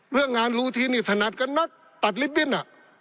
เรื่องงานรูทีนิถนัดก็นักตัดลิฟต์ดิน